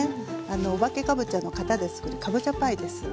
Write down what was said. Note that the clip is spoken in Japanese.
お化けかぼちゃの型でつくるかぼちゃパイです。